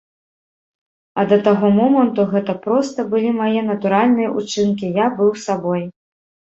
А да таго моманту гэта проста былі мае натуральныя ўчынкі, я быў сабой.